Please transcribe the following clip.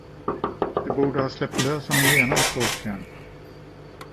Du borde ha släppt lös honom genast, Åsbjörn.